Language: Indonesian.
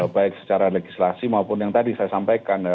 baik secara legislasi maupun yang tadi saya sampaikan